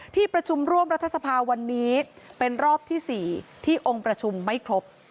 ที่ประชุมร่วมรัฐสภาวันนี้เป็นรอบที่๔ที่องค์ประชุมไม่ครบ